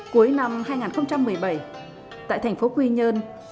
cuối năm hai nghìn một mươi bảy tại thành phố quy nhơn